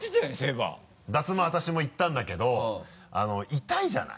私も行ったんだけど痛いじゃない。